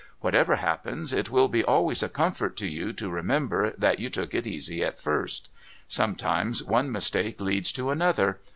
' Whatever happens, it will be always a comfort to you to remember that you took it easy at first. Sometimes one mistake leads to another.